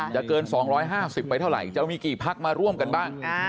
เกิน๒๕๐ไปเท่าไหร่จะมีกี่พักมาร่วมกันบ้าง